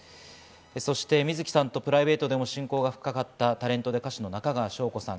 そして水木さんとプライベートでも親交が深かったタレントで歌手の中川翔子さん。